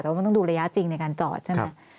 ว่ามันต้องดูระยะจริงในการจอดใช่ไหม